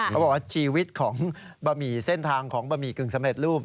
บอกว่าชีวิตของบะหมี่เส้นทางของบะหมี่กึ่งสำเร็จรูป